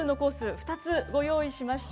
２つご用意しました。